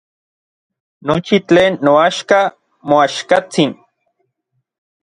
Nochi tlen noaxka moaxkatsin.